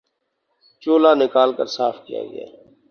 چولہا نکال کر صاف کیا گیا